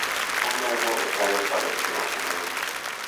Un nuevo adversario apareció en el este.